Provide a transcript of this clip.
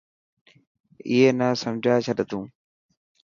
اي نا سمجهائي ڇڏ تون.